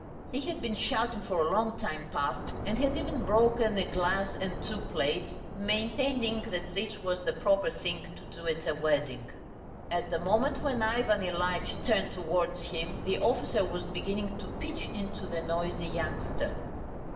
He had been shouting for a long time past, and had even broken a glass and two plates, maintaining that this was the proper thing to do at a wedding. At the moment when Ivan Ilyitch turned towards him, the officer was beginning to pitch into the noisy youngster.